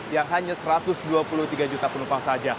yang hanya dua belas juta penumpang